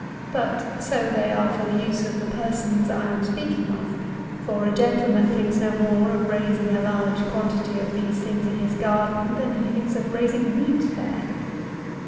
But, so they are for the use of the persons I am speaking of; for a gentleman thinks no more of raising a large quantity of these things in his garden, than he thinks of raising wheat there.